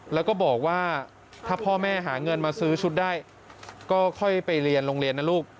แล้วก็บอกว่าถ้าพ่อแม่หาเงินมาซื้อชุดได้ก็ค่อยไปเรียนโรงเรียนนะลูก